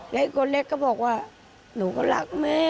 และคนเล็กก็บอกว่าหนูก็รักแม่